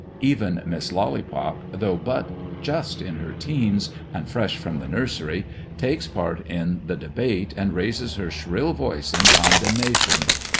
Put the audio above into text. Even Miss Lollypop, though but just in her teens, and fresh from the nursery, takes part in the debate, and raises her shrill voice in condemnation.